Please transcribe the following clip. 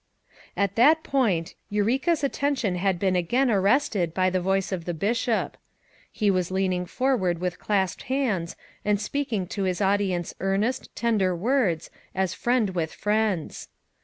At that point, Eureka's attention had been again arrested by the voice of the Bishop. He was leaning forward with clasped hands and speaking to his audience earnest, tender words, as friend with friends.